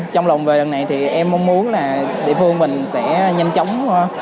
trong lòng về lần này thì em mong muốn là địa phương mình sẽ nhanh chóng